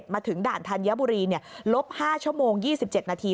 มาถึงด่านธัญบุรีลบ๕ชั่วโมง๒๗นาที